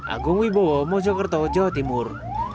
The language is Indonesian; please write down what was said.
agung wibowo mojokerto jawa timur